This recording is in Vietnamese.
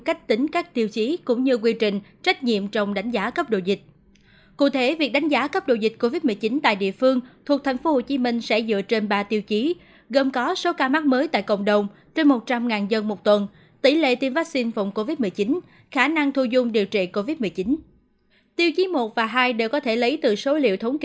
các tỉnh như quảng nam quảng nam phú thọ đà nẵng gia lai và đắk đông